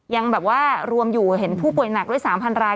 ยังแบบว่ารวมอยู่เห็นผู้ป่วยหนักด้วย๓๐๐ราย